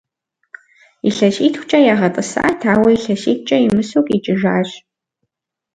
Илъэситхукӏэ ягъэтӏысат, ауэ илъэситӏкӏэ имысу къикӏыжащ.